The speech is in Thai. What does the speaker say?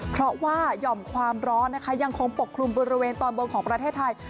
เพราะว่าหย่อมความร้อนนะคะยังคงปกคลุมบริเวณตอนบนของประเทศไทย